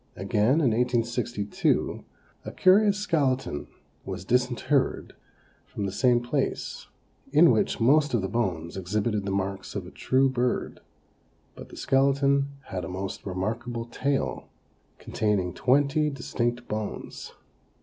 Again, in 1862, a curious skeleton was disinterred from the same place, in which most of the bones exhibited the marks of a true bird, but the skeleton had a most remarkable tail, containing twenty distinct bones.